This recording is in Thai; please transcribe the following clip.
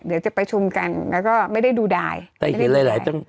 เดี๋ยวจะประชุมกันแล้วก็ไม่ได้ดูดายแต่อีกทีหลายต้อง